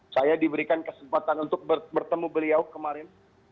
saya diberikan kesempatan untuk bertemu beliau kemarin